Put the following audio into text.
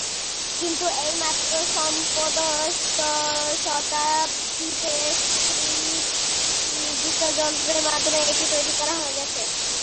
কিন্তু এই মাত্র সপ্তদশ শতাব্দীতে স্থির নির্দিষ্ট যন্ত্রের মাধ্যমে এটি তৈরি করা গেছে।